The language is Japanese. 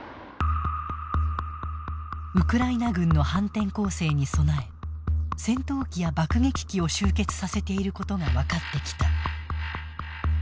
ウクライナ軍の反転攻勢に備え戦闘機や爆撃機を集結させていることが分かってきた。